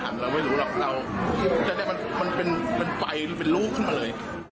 มันจะเป็นไฟรุ่งขึ้นมาเลย